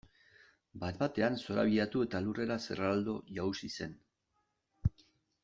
Bat batean zorabiatu eta lurrera zerraldo jausi zen.